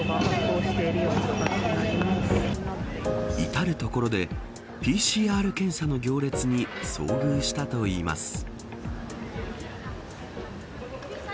至る所でＰＣＲ検査の行列に遭遇したといいます。